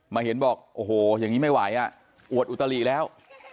มาเห็นบอกโอ้โหอย่างนี้ไม่ไหวอ่ะอวดอุตลิแล้ว